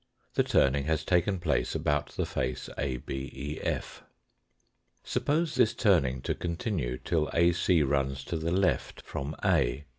The turning has taken place about the face ABEF. Suppose this turning to continue * till AC runs to the left from A.